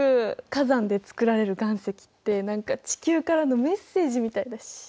火山でつくられる岩石って何か地球からのメッセージみたいだし。